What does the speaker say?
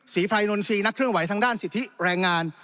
ภัยนนทรีย์นักเคลื่อนไหวทางด้านสิทธิแรงงาน